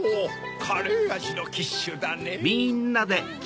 カレーあじのキッシュだねぇ。